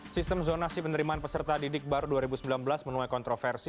sistem zonasi penerimaan peserta didik baru dua ribu sembilan belas menuai kontroversi